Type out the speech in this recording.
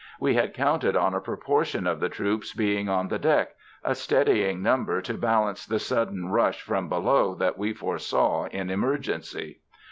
We had counted on a proportion of the troops being on the deck, a steadying number to balance the sudden rush from below that we foresaw in emergency.